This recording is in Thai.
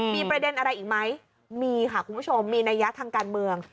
มีประเด็นอะไรอีกไหมมีค่ะคุณผู้ชมมีนัยยะทางการเมือง